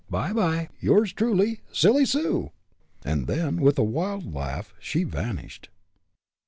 By by! Yours, truly, Silly Sue!" And then, with a wild laugh, she vanished.